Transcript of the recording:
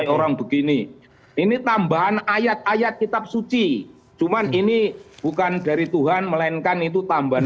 orang begini ini tambahan ayat ayat kitab suci cuman ini bukan dari tuhan melainkan itu tambahan